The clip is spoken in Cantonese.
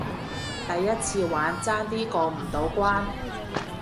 第一次玩，爭啲過唔到關